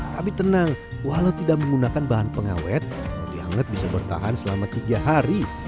tapi tenang walau tidak menggunakan bahan pengawet roti anget bisa bertahan selama tiga hari